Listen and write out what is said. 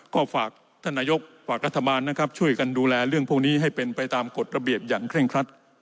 ก็ฝากท่านนายกฝากรัฐบาลนะครับช่วยกันดูแลเรื่องพวกนี้ให้เป็นไปตามกฎระเบียบอย่างเคร่งครัด